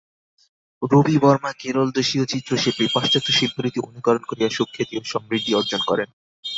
রবি বর্মা কেরলদেশীয় চিত্রশিল্পী, পাশ্চাত্য শিল্পরীতি অনুকরণ করিয়া সুখ্যাতি ও সমৃদ্ধি অর্জন করেন।